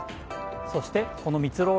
そして、このみつろう